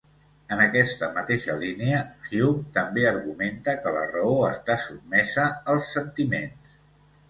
En aquesta mateixa línia, Hume també argumenta que la raó està sotmesa als sentiments.